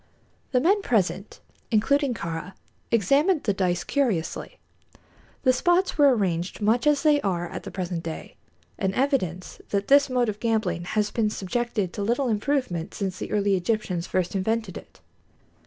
The men present, including Kāra, examined the dice curiously. The spots were arranged much as they are at the present day, an evidence that this mode of gambling has been subjected to little improvement since the early Egyptians first invented it.